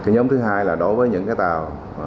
nhóm thứ hai là đối với những tàu